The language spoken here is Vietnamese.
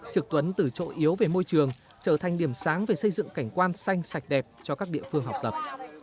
trực tuấn từ chỗ yếu về môi trường trở thành điểm sáng về xây dựng cảnh quan xanh sạch đẹp cho các địa phương học tập